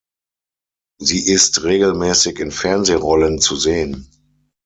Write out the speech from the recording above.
Sie ist regelmäßig in Fernsehrollen zu sehen.